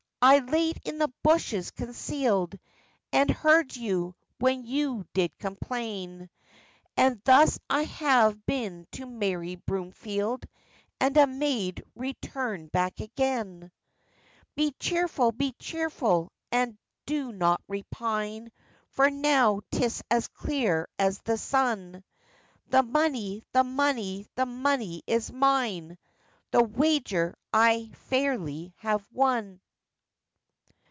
I laid in the bushes concealed, And heard you, when you did complain; And thus I have been to the merry Broomfield, And a maid returned back again. 'Be cheerful! be cheerful! and do not repine, For now 'tis as clear as the sun, The money, the money, the money is mine, The wager I fairly have won.